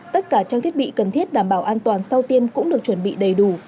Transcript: tất cả trang thiết bị cần thiết đảm bảo an toàn sau tiêm cũng được chuẩn bị đầy đủ